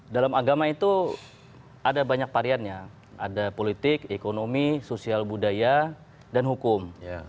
dalam agama itu ada banyak variannya ada politik ekonomi sosial budaya dan hukum